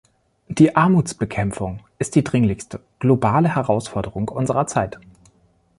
Die Armutsbekämpfung ist die dringlichste globale Herausforderung unserer Zeit.